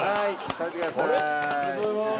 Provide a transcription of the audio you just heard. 食べてください。